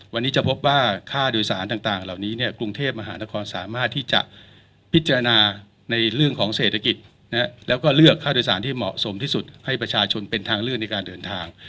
วันนี้จะพบว่าค่าโดยสารต่างเหล่านี้เนี่ยกรุงเทพมหานครสามารถที่จะพิจารณาในเรื่องของเศรษฐกิจแล้วก็เลือกค่าโดยสารที่เหมาะสมที่สุดให้ประชาชนเป็นทางเลือกในการเดินทาง